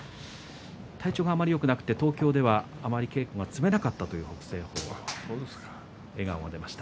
体調があまり、よくなくて東京ではあまり稽古を積めなかったという話です。